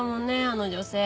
あの女性。